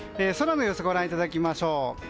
空の様子をご覧いただきましょう。